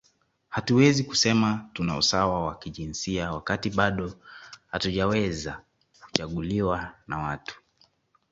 Hatuwezi kusema tuna usawa wa kijinsia wakati bado hatujaweza kuchaguliwa na watu